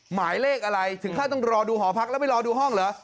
หมายเลขอะไรถึงขั้นต้องรอดูหอพักแล้วไม่รอดูห้องเหรอ